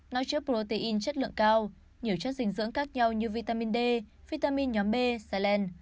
nó chứa protein chất lượng cao nhiều chất dinh dưỡng khác nhau như vitamin d vitamin nhóm b selen